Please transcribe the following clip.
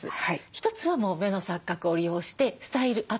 一つはもう目の錯覚を利用してスタイルアップ。